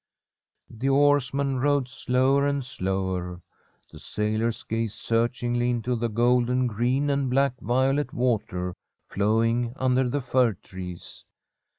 The oarsmen rowed slower and slower. The sailors gazed searchingly into the golden green and black violet water flowing under the fir trees.